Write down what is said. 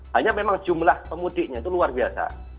hanya memang jumlah pemudiknya itu luar biasa